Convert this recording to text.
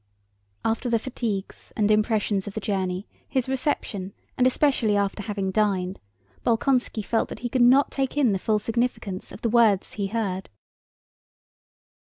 After the fatigues and impressions of the journey, his reception, and especially after having dined, Bolkónski felt that he could not take in the full significance of the words he heard.